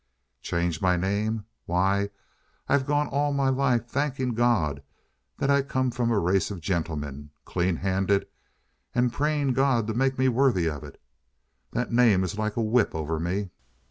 "Change my name? Why, I've gone all my life thanking God that I come of a race of gentlemen, clean handed, and praying God to make me worthy of it. That name is like a whip over me.